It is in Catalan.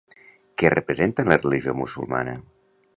Què representa en la religió musulmana?